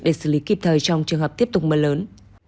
để xử lý kịp thời trong trường hợp tiếp tục mưa lớn